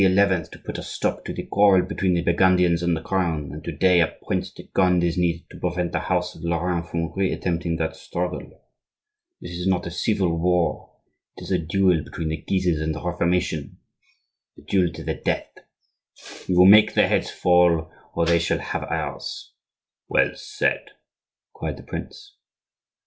to put a stop to the quarrel between the Burgundians and the Crown; and to day a prince de Conde is needed to prevent the house of Lorraine from re attempting that struggle. This is not a civil war; it is a duel between the Guises and the Reformation,—a duel to the death! We will make their heads fall, or they shall have ours." "Well said!" cried the prince.